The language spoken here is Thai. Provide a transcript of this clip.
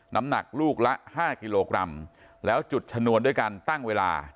น้ำหนักลูกละ๕กิโลกรัมแล้วจุดชนวนด้วยการตั้งเวลา